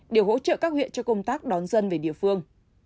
để hỗ trợ các huyện cho công tác đón dân về địa phương